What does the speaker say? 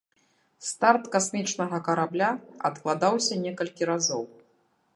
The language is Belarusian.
Старт касмічнага карабля адкладаўся некалькі разоў.